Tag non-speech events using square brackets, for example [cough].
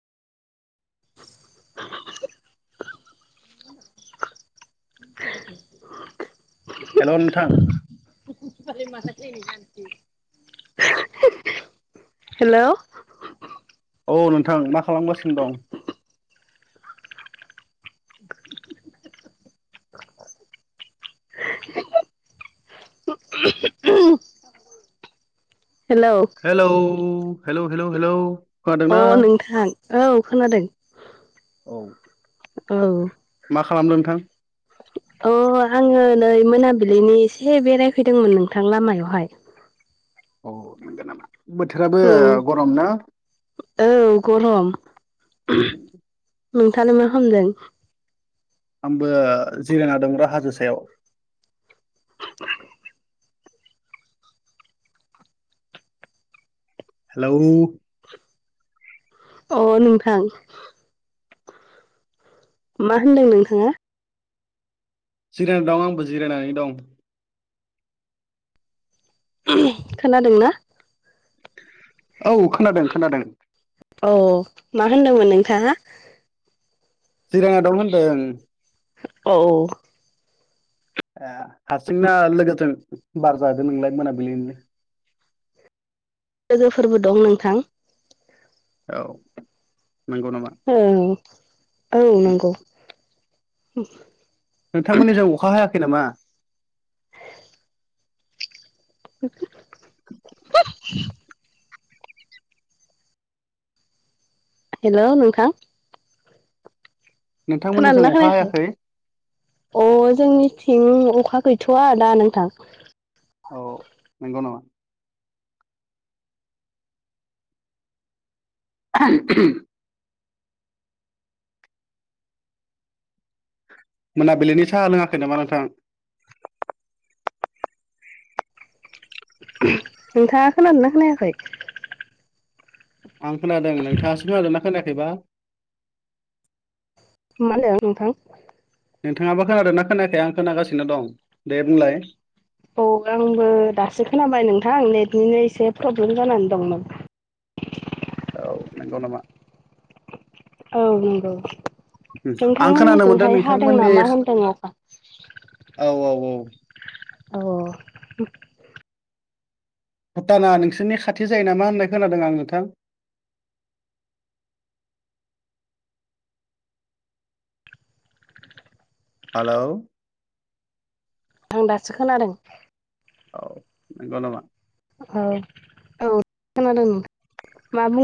[inaudible] [inaudible] Hello नोंथां। [inaudible] Hello. औ नोंथां मा खालामगासिनो दं? Hello. Hello hello hello hello. खोनादोंना अ' नोंथां औ खोनादों। औ। औ। मा खालामदों नोंथां? अ' आङो नै मोनाबिलिनि एसे बेरायफैदोंमोन नोंथां लामायावहाय। अ' नोंगो नामा? बोथोराबो उम गरम ना औ गरम। नोंथाङालाय मा खालामदों? आंबो जिरायना दं र' हाजो सायाव। [inaudible] हेलौ। अ' नोंथां। मा होनदों नोंथाङा? जिरायना दं आंबो जिरायनानै दं। ओम खोनादोंना? औ खोनादों खोनादों। अ' मा होनदोंमोन नोंथाङा? जिरायना दं होन्दों। औ। ए हारसिं ना लोगोजों बार जादों नोंलाय मोनाबिलिनि? लोगोफोरबो दं नोंथां। औ नंगौ नामा? ओं औ नंगौ। नोंथांमोननि जों अखा हायाखै नामा। [unintelligible] हेल' नोंथां। नोंथांमोननि जों खोनादोंना अखा खोनायाखै। हायाखै अ' जोंनिथिं अखा गैथ'आ दा नोंथां। औ नंगौ नामा। [unintelligible] मोनाबिलिनि साहा लोङाखै नामा नोंथां। नोंथाङा खोनादोंना खोनायाखै। आं खोनादों नोंथाङासो खोनादोंना खोनायाखैबा। मा होनदों नोंथां। नोंथाङाबा खोनादोंना खोनायाखै आं खोनागासिनो दं दे बुंलाय। औ आंबो दासो खोनाबाय नोंथां नेटनिनो एसे प्रब्लेम जानानै दंमोन। औ नंगौ नामा। औ नंगौ। आं खोनानो मोनदों नोंथांमोननिजोंहाय हादों नोंथांमोननि नामा होनदों अखा। औ औ औ अ'। भुटाना नोंसोरनि खाथि जायो नामा होननाय खोनादों आं नोंथां। हेलौ। आं दासो खोनादों। औ नंगौ नामा। औ औ खोनादों मा बुं